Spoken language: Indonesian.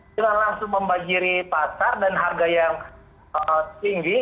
dengan langsung membanjiri pasar dan harga yang tinggi